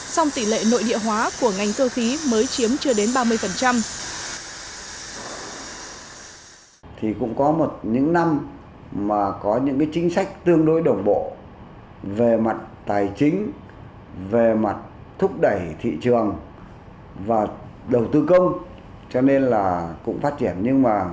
song tỷ lệ nội địa hóa của ngành cơ khí mới chiếm chưa đến ba mươi